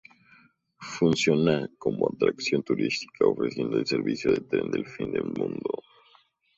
Funciona como atracción turística, ofreciendo el servicio del Tren del Fin del Mundo.